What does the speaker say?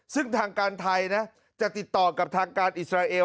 ซึ่งทางการไทยนะจะติดต่อกับทางการอิสราเอล